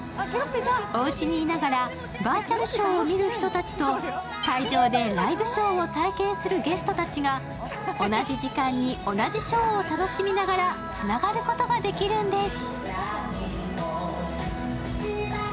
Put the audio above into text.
おうちにいながらバーチャルショーを見る人たちと会場でライブショーを体験するゲストたちが同じ時間に同じショーを楽しみながらつながることができるんです。